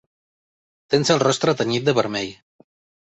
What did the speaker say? Tens el rostre tenyit de vermell.